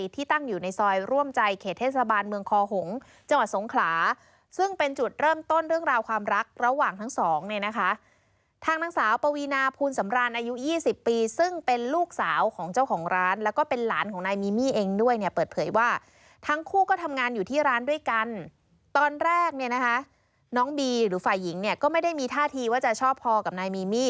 ตอนแรกน้องบีหรือฝ่ายหญิงก็ไม่ได้มีท่าทีว่าจะชอบพอกับนายมีมี่